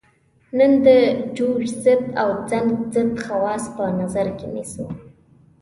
نن د جوش ضد او زنګ ضد خواص په نظر کې نیسو.